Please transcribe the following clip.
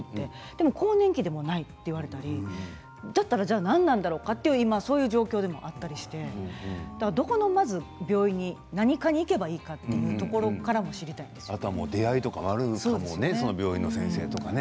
でも更年期でもないと言われたりだったら何なんだろうかという状況でもあったりしてどこの病院に何科に行けばいいのかというところから出会いもあるかもしれませんよね